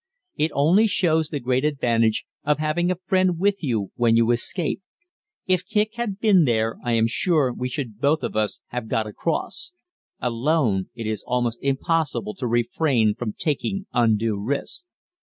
It only shows the great advantage of having a friend with you when you escape if Kicq had been there I am sure we should both of us have got across; alone, it is almost impossible to refrain from taking undue risks.